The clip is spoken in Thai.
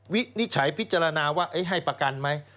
วินิจฉัยพิจารณาว่าให้ประกันไหม